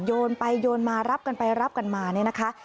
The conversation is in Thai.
โยนไปโยนมารับกันไปรับกันมาเนี่ยนะคะ